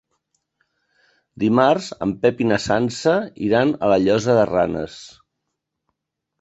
Dimarts en Pep i na Sança iran a la Llosa de Ranes.